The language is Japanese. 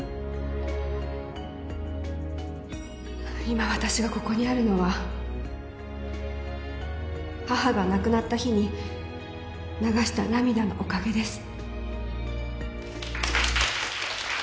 今私がここにあるのは母が亡くなった日に流した涙のおかげです。